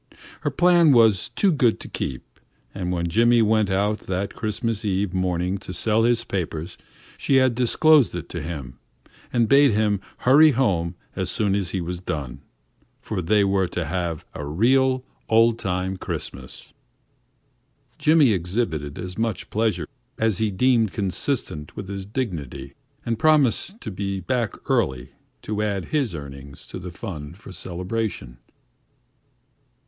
Her plan was too good to keep, and when Jimmy went out that Christmas eve morning to sell his papers, she had disclosed it to him and bade him hurry home as soon as he was done, for they were to have a real old time Christmas. Jimmy exhibited as much pleasure as he deemed consistent with his dignity and promised to be back early to add his earnings to the fund for celebration.